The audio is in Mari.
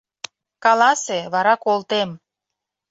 Каласе, вара колтем.